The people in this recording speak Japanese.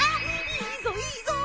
いいぞいいぞ！